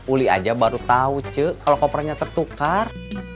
uli aja baru tahu cek kalau kopernya tertukar